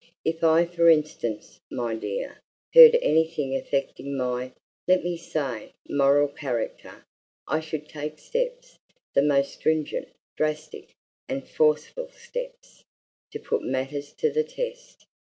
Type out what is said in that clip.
If I for instance, my dear, heard anything affecting my let me say, moral character, I should take steps, the most stringent, drastic, and forceful steps, to put matters to the test.